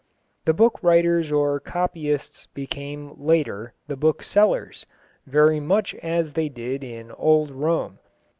The book writers or copyists became, later, the booksellers, very much as they did in old Rome.